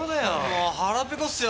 もう腹ペコっすよ。